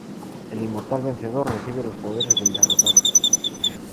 El inmortal vencedor recibe los poderes del derrotado.